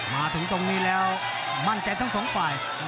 มาถึงตรงนี้แล้วมั่นใจทั้งสองฝ่าย